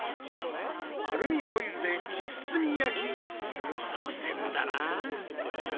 アルミホイルで包み焼きする作戦だな。